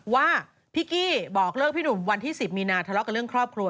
ว่าพี่กี้บอกเลิกพี่หนุ่มวันที่๑๐มีนาทะเลาะกับเรื่องครอบครัว